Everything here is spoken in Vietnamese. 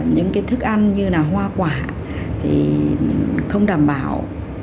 những thức ăn như hoa quả không đảm bảo